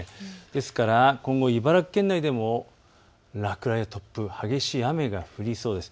ですから今後、茨城県内でも落雷や突風、激しい雨が降りそうです。